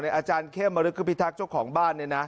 อาจารย์แขมมาลุกภิทักษ์ผู้เจ้าของบ้าน